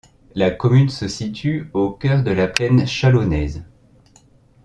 La commune se situe au cœur de la plaine chalonnaise.